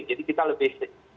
jadi kita lebih